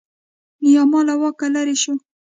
نیاما له واکه لرې شو.